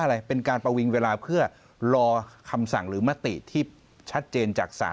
อะไรเป็นการประวิงเวลาเพื่อรอคำสั่งหรือมติที่ชัดเจนจากศาล